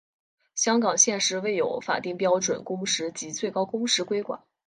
香港现时未有法定标准工时及最高工时规管。